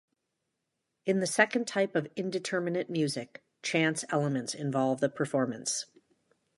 In the second type of indeterminate music, chance elements involve the performance.